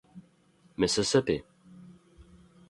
Mississippi.